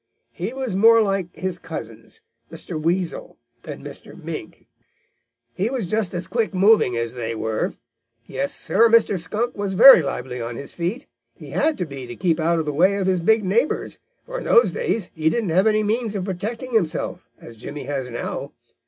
He was more like his cousins, Mr. Weasel and Mr. Mink. He was just as quick moving as they were. Yes, Sir, Mr. Skunk was very lively on his feet. He had to be to keep out of the way of his big neighbors, for in those days he didn't have any means of protecting himself, as Jimmy has now.